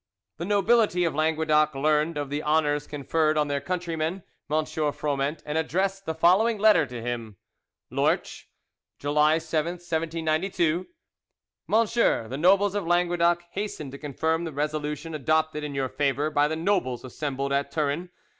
The nobility of Languedoc learned of the honours conferred on their countryman, M. Froment, and addressed the following letter to him: "LORCH, July 7, 1792 "MONSIEUR, The nobles of Languedoc hasten to confirm the resolution adopted in your favour by the nobles assembled at Turin.